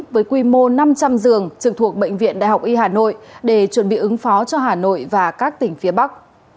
với quy mô năm trăm linh giường trực thuộc bệnh viện đại học y hà nội để chuẩn bị ứng phó cho hà nội và các tỉnh phía bắc